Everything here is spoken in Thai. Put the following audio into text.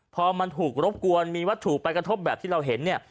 พอมันถูกรบกวนมีวัตถุไปกระทบแบบที่เราเห็นเนี่ย